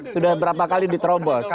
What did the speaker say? sudah berapa kali diterobos